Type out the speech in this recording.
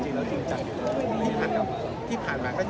แต่เป็นที่ผมเองคือไม่ดีต้องการ